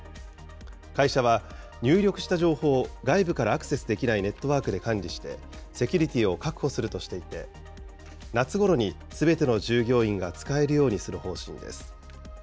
会社は入力した情報を外部からアクセスできないネットワークで管理して、セキュリティーを確保するとしていて、夏ごろにすべての従業員が使えるようにする方針です。